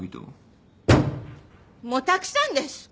・もうたくさんです！